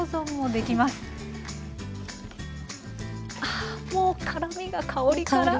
あっもう辛みが香りから。